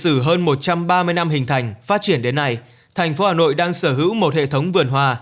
từ hơn một trăm ba mươi năm hình thành phát triển đến nay thành phố hà nội đang sở hữu một hệ thống vườn hòa